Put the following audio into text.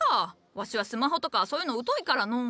わしはスマホとかそういうの疎いからのう。